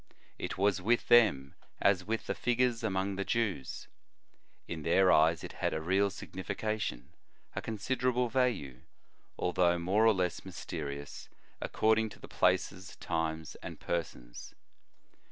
It was with them, as with the figures among the Jews. In their eyes it had a real signification, a considerable value, although more or less mysterious, according to the places, times, and persons.